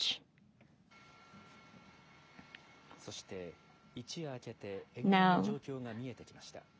そして、一夜明けて沿岸の状況が見えてきました。